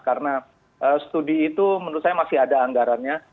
karena studi itu menurut saya masih ada anggarannya